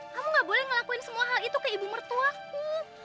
kamu gak boleh ngelakuin semua hal itu ke ibu mertuaku